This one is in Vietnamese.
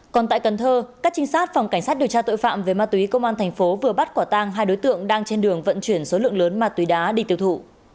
còn tại cần thơ các trinh sát phòng cảnh sát điều tra tội phạm về ma túy công an thành phố vừa bắt quả tang hai đối tượng đang trên đường vận chuyển số lượng lớn ma túy đá đi tiêu thụ